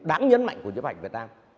đáng nhấn mạnh của nhấp ảnh việt nam